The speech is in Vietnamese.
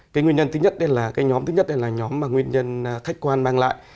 cái nguyên nhân thứ nhất đây là nhóm mà nguyên nhân khách quan mang lại